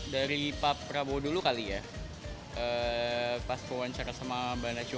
dari pak prabowo dulu kali ya pas aku wawancara sama banda coba